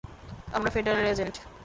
আমরা federal agent.